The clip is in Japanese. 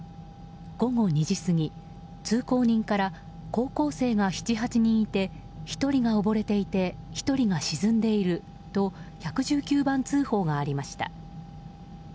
午後２時過ぎ、通行人から高校生が７８人いて１人が溺れていて１人が沈んでいると１１９番通報がありました。